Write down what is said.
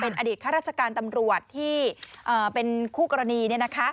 เป็นอดิษฐ์ขาดรัชการตำรวจที่เป็นคู่กรณี